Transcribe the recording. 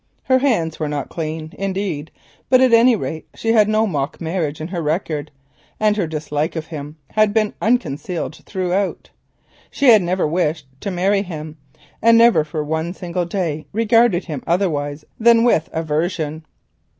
Her hands were not clean, indeed, but at any rate she had no mock marriage in her record, and her dislike of him had been unconcealed throughout. She had never wished to marry him, and never for one single day regarded him otherwise than with aversion.